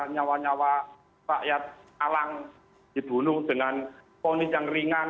nyawa nyawa rakyat alang dibunuh dengan ponis yang ringan